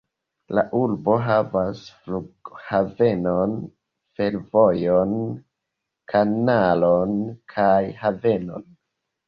La urbo havas flughavenon, fervojon, kanalon kaj havenon.